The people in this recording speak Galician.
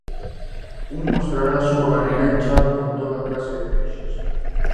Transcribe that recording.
Un mostrará a súa barriga inchada con toda clase de peixes.